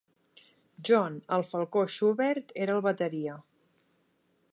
John "el Falcó" Schubert era el bateria.